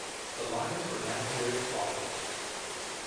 The lines were now very taut.